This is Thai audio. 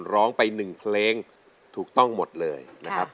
ร้องไป๑เพลงถูกต้องหมดเลยนะครับ